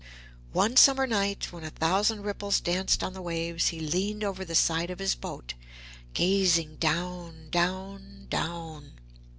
One summer night, when a thousand ripples danced on the waves, he leaned over the side of his boat, gazing down down down.